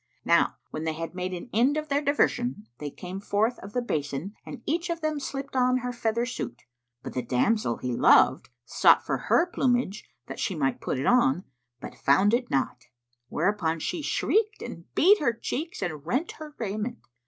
Now when they had made an end of their diversion, they came forth of the basin and each of them slipped on her feather suit. But the damsel he loved sought for her plumage that she might put it on, but found it not; whereupon she shrieked and beat her cheeks and rent her raiment.